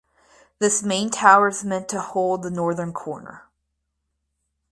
This main tower is meant to hold the northern corner.